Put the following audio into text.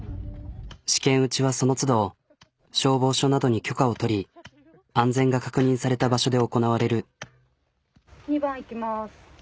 試験打ちはそのつど消防署などに許可を取り安全が確認された場所で行なわれる。